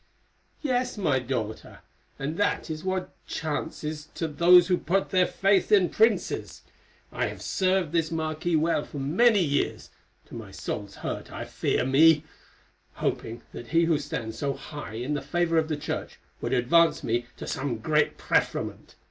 "Yes, my daughter, and that is what chances to those who put their faith in princes. I have served this marquis well for many years—to my soul's hurt, I fear me—hoping that he who stands so high in the favour of the Church would advance me to some great preferment.